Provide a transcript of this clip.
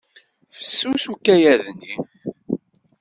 Fessus ukayad-nni.